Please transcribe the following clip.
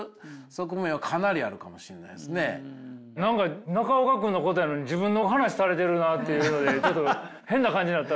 何か中岡君のことやのに自分の話されてるなあっていうのでちょっと変な感じになった。